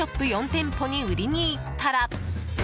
４店舗に売りに行ったら。